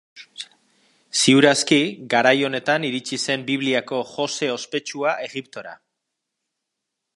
Ziur aski, garai honetan iritsi zen Bibliako Jose ospetsua Egiptora.